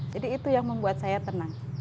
jadi itu yang membuat saya tenang